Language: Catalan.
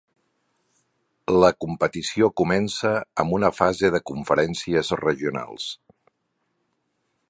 La competició comença amb una fase de conferències regionals.